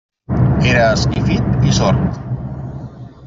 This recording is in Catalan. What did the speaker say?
Era esquifit i sord.